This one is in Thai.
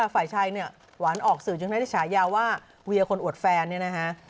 ฝ่ายชายเนี่ยหวานออกสื่อจึงไม่ได้ฉายาว่าเวียคนอวดแฟนเนี่ยนะฮะ